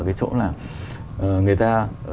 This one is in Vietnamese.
cái chỗ là người ta